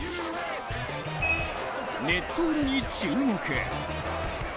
ネット裏に注目。